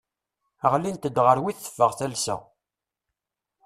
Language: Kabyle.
Ɣlint-d ɣer wid teffeɣ talsa.